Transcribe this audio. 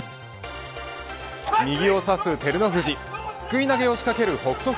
右を差す照ノ富士すくい投げを仕掛ける北勝